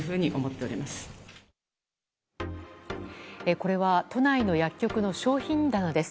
これは、都内の薬局の商品棚です。